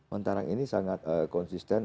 mentarang ini sangat konsisten